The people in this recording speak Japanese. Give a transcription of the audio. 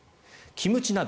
キムチ鍋。